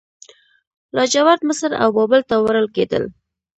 لاجورد مصر او بابل ته وړل کیدل